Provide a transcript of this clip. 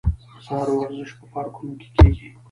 د سهار ورزش په پارکونو کې کیږي.